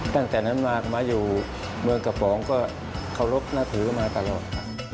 ตั้งแต่นั้นมาอยู่เมืองกระป๋องก็เคารพนับถือมาตลอด